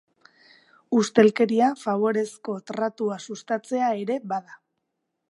Ustelkeria faborezko tratua sustatzea ere bada.